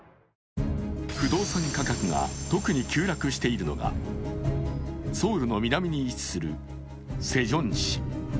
不動産価格が特に急落しているのがソウルの南に位置するセジョン市。